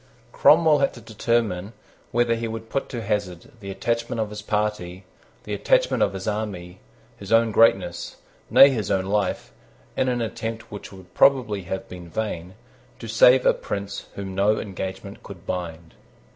Cromwell had to determine whether he would put to hazard the attachment of his party, the attachment of his army, his own greatness, nay his own life, in an attempt which would probably have been vain, to save a prince whom no engagement could bind.